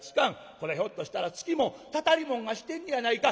こらひょっとしたらつきもんたたりもんがしてんねやないか。